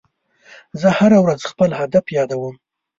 زه هره ورځ خپل هدف یادوم.